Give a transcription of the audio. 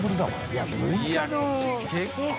いや結構。